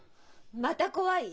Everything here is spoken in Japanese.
また「怖い」？